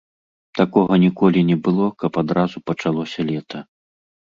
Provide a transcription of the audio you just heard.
Такога ніколі не было, каб адразу пачалося лета.